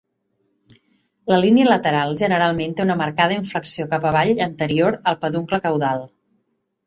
La línia lateral generalment té una marcada inflexió cap avall anterior al peduncle caudal.